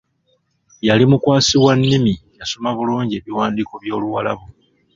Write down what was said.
Yali mukwasi wa nnimi yasomanga bulungi ebiwandiiko by'Oluwarabu.